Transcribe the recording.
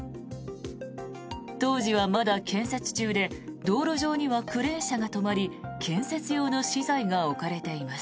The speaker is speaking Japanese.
当時はまだ建設中で道路上にはクレーン車が止まり建設用の資材が置かれています。